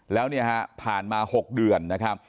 แล้วเนี่ยฮะผ่านมา๖เดือนนะครับ